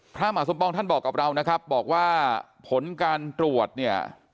พระมหาสมปองท่านบอกกับเรานะครับบอกว่าผลการตรวจเนี่ย